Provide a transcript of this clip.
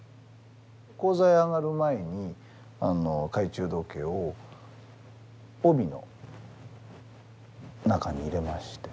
高座へ上がる前に懐中時計を帯の中に入れまして。